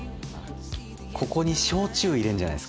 ここに焼酎入れるんじゃないですか？